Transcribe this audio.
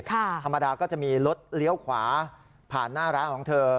ธรรมดาก็จะมีรถเลี้ยวขวาผ่านหน้าร้านของเธอ